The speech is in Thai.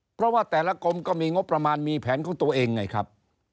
เพราะว่าแต่ละกรมก็มีงบประมาณมีแผนของตัวเองไงครับ